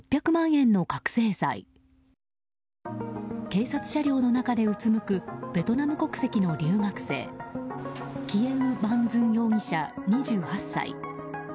警察車両の中でうつむくベトナム国籍の留学生キエウ・マン・ズン容疑者２８歳。